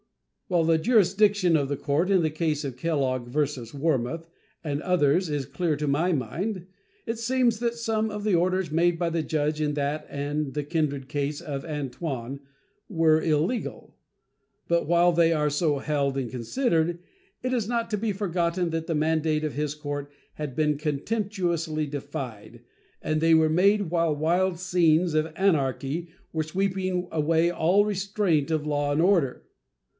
While the jurisdiction of the court in the case of Kellogg vs. Warmoth and others is clear to my mind, it seems that some of the orders made by the judge in that and the kindred case of Antoine were illegal. But while they are so held and considered, it is not to be forgotten that the mandate of his court had been contemptuously defied, and they were made while wild scenes of anarchy were sweeping away all restraint of law and order.